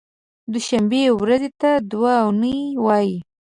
دوشنبې ورځې ته دو نۍ وایی